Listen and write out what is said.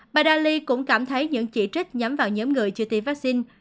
bà dali cũng cảm thấy những chỉ trích nhắm vào nhóm người chưa tiêm vaccine